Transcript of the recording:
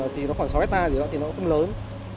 thì nó khoảng sáu hectare gì đó thì nó không lớn